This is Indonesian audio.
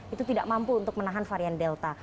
itu tidak mampu untuk menahan varian delta